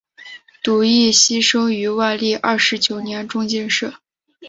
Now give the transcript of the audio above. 堵胤锡生于万历二十九年中进士。